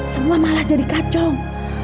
semua malah jadi kacong